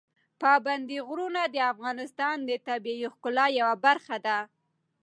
پابندي غرونه د افغانستان د طبیعي ښکلا یوه برخه ده.